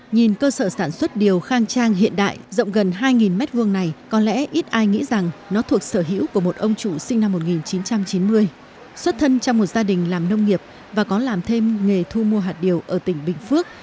nhìn cơ sở sản xuất điều khang trang hiện đại rộng gần hai m hai này có lẽ ít ai nghĩ rằng nó thuộc sở hữu của một ông chủ sinh năm một nghìn chín trăm chín mươi xuất thân trong một gia đình làm nông nghiệp và có làm thêm nghề thu mua hạt điều ở tỉnh bình phước